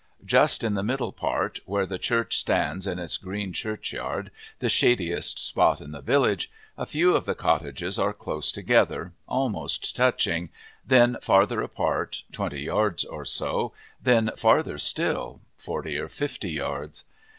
Just in the middle part, where the church stands in its green churchyard, the shadiest spot in the village, a few of the cottages are close together, almost touching, then farther apart, twenty yards or so, then farther still, forty or fifty yards.